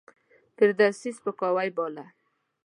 فردوسي سپکاوی باله.